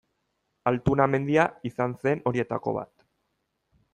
Altuna mendia izan zen horietako bat.